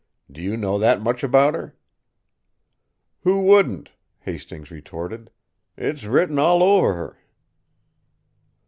"Do you know that much about her?" "Who wouldn't?" Hastings retorted. "It's written all over her."